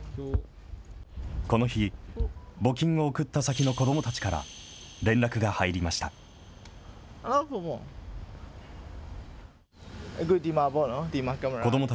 この日、募金を送った先の子どもたちから、連絡が入りました。